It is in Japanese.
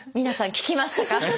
皆さん聞きましたか？